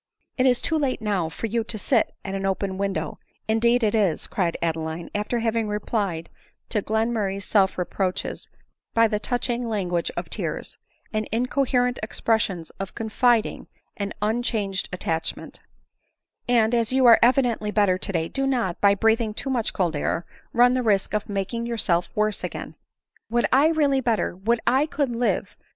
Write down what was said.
" It is too late now for you to sit at an open window, indeed it is," cried Adeline, after having replied to Glen murray's self reproaches by the touching language of tears, and incoherent expressions of confiding and un changed attachment ;" and as you are evidently better today, do not, by breathing too much cold air, run the risk of making yourself worse again." " Would 1 were really better ! would I could live